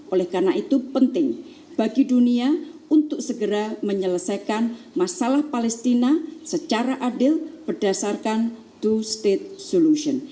oleh karena itu penting bagi dunia untuk segera menyelesaikan masalah palestina secara adil berdasarkan to state solution